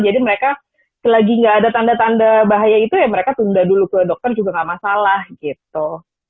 jadi mereka selagi gak ada tanda tanda bahaya itu ya mereka tunda dulu ke dokter juga gak masalah gitu